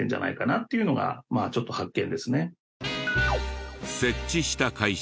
っていうのがまあちょっと発見ですね。